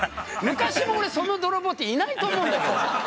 昔もその泥棒っていないと思うんだけど。